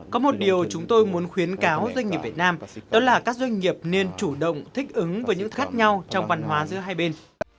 có một điều chúng tôi muốn khuyến cáo doanh nghiệp việt nam đó là các doanh nghiệp nên chủ động thích ứng với những khác nhau trong văn hóa giữa hai bên